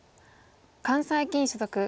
関西棋院所属。